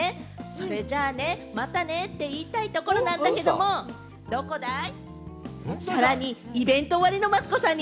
それじゃあね、またねって言いたいところなんだけれども、どこだい？